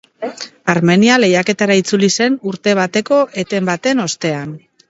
Armenia lehiaketara itzuli zen urte bateko eten baten ostean.